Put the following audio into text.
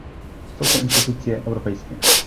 Są to instytucje europejskie